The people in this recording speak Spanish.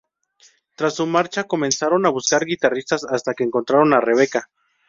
Tras su marcha comenzaron a buscar guitarrista hasta que encontraron a Rebeca.